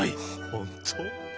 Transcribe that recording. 本当？